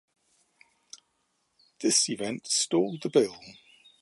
This event stalled the bill.